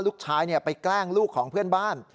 ลูกชายไปแกล้งลูกของเพื่อนบ้าน